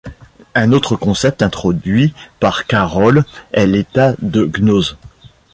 Un autre concept introduit par Carroll est l'état de gnose.